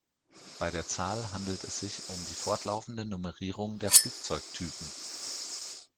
Bei der Zahl handelt es sich um die fortlaufende Nummerierung der Flugzeugtypen.